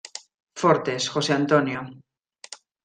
Fortes, José Antonio.